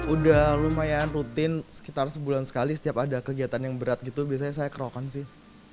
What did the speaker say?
udah lumayan rutin sekitar sebulan sekali setiap ada kegiatan yang berat gitu biasanya saya kerokan sih